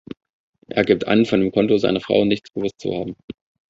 Er gibt an, von dem Konto seiner Frau nichts gewusst zu haben.